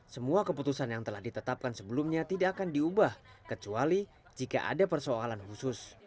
semua keputusan yang telah ditetapkan sebelumnya tidak akan diubah kecuali jika ada persoalan khusus